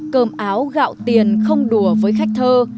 cơm áo gạo tiền không đùa với khách thơ